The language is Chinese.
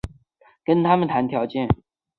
跟他们谈条件